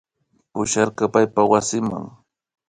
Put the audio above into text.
Pusharka paypa wasima